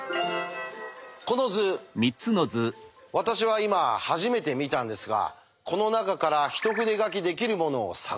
この図私は今初めて見たんですがこの中から一筆書きできるものを探せるか。